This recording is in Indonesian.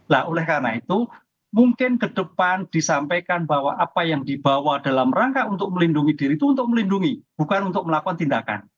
nah oleh karena itu mungkin ke depan disampaikan bahwa apa yang dibawa dalam rangka untuk melindungi diri itu untuk melindungi bukan untuk melakukan tindakan